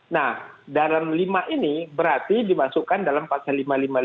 nah dalam lima ini berarti dimasukkan dalam pasal lima ratus lima puluh lima